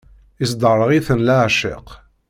Isderɣel-iten leɛceq.